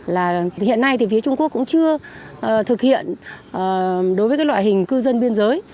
là hiện nay thì phía trung quốc cũng chưa thực hiện đối với loại hình cư dân biên giới